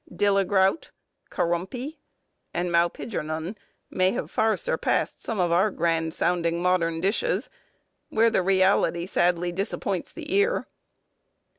Dillegrout, karumpie, and maupigyrnun, may have far surpassed some of our grand sounding modern dishes, where the reality sadly disappoints the ear.